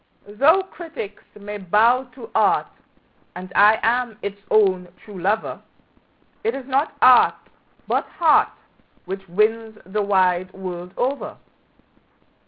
Though critics may bow to art, and I am its own true lover, It is not art, but heart, which wins the wide world over.